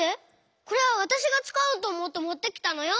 これはわたしがつかおうとおもってもってきたのよ！